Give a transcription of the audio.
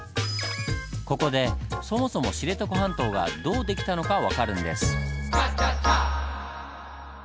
ここでそもそも知床半島がどうできたのか分かるんです。